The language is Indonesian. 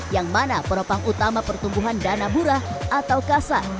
yang mana penopang utama pertumbuhan dana murah atau kasar